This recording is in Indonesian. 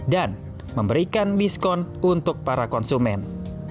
dan memberikan biskon untuk para konsumen